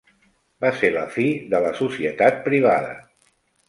Va ser la fi de la societat privada.